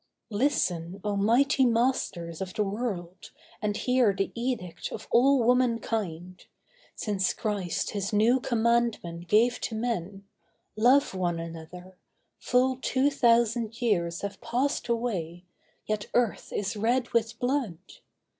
'Listen, O mighty masters of the world, And hear the edict of all womankind: Since Christ His new commandment gave to men, Love one another, full two thousand years Have passed away, yet earth is red with blood.